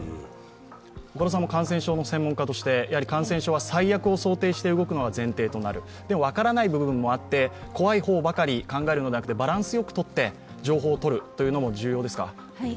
感染症の専門家として感染症は最悪を想定して動くのが前提となるでも分からない部分もあって、怖い方ばかり考えるのではなくてバランスよくとって情報を取るのも重要ですか？